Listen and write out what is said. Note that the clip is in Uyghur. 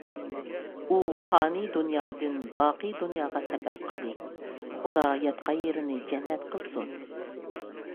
ئۇ پانىي دۇنيادىن باقىي دۇنياغا سەپەر قىلدى. خۇدا ياتقان يېرىنى جەننەت قىلسۇن.